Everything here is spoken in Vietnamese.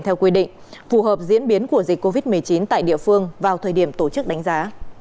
theo quy định phù hợp diễn biến của dịch covid một mươi chín tại địa phương vào thời điểm tổ chức đánh giá